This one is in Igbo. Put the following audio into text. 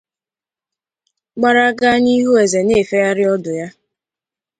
gbara gaa n’ihu eze na-efegharị ọdụ ya